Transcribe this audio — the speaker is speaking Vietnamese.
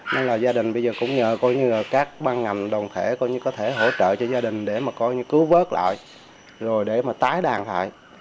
nên là gia đình bây giờ cũng nhờ các băng ngành đồng thể có thể hỗ trợ cho gia đình để mà cứu vớt lại rồi để mà tái đàn lại